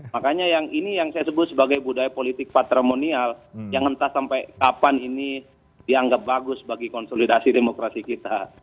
makanya yang ini yang saya sebut sebagai budaya politik patramonial yang entah sampai kapan ini dianggap bagus bagi konsolidasi demokrasi kita